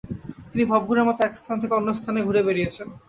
তিনি ভবঘুরের মত এক স্থান থেকে অন্য স্থানে ঘুরে বেরিয়েছেন।